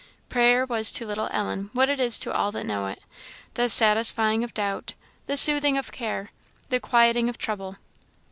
Prayer was to little Ellen what it is to all that know it the satisfying of doubt, the soothing of care, the quieting of trouble.